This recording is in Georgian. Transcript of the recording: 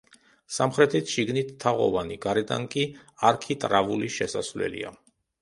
სამხრეთით შიგნით თაღოვანი, გარედან არქიტრავული შესასვლელია.